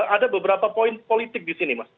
ada beberapa poin politik di sini mas